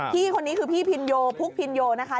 พี่คนนี้คือพี่พินโยพุกพินโยนะคะ